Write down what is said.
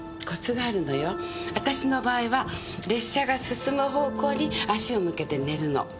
私の場合は列車が進む方向に足を向けて寝るの。